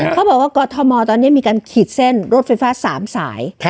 เขาบอกว่ากรทมตอนนี้มีการขีดเส้นรถไฟฟ้า๓สาย